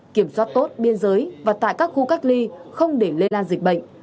kiểm soát tốt biên giới và tại các khu cách ly không để lây lan dịch bệnh